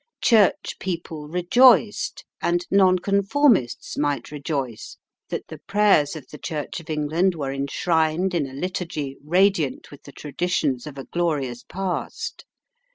Church people rejoiced, and Nonconformists might rejoice, that the prayers of the Church of England were enshrined in a Liturgy radiant with the traditions of a glorious past.